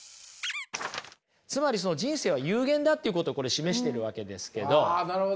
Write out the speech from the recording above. つまり人生は有限だっていうことをこれ示しているわけですけど。